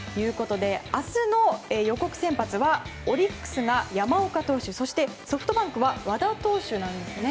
明日の予告先発はオリックスが山岡投手ソフトバンクは和田投手なんですね。